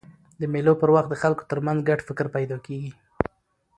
د مېلو پر وخت د خلکو ترمنځ ګډ فکر پیدا کېږي.